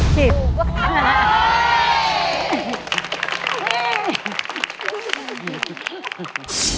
ถูก